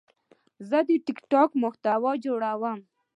زه د ټک ټاک محتوا جوړوم.